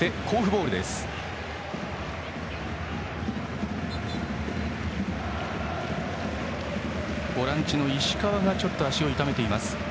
ボランチの石川ちょっと足を痛めています。